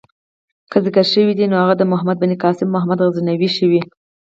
که ذکر شوی دی نو هغه د محمد بن قاسم او محمود غزنوي شوی.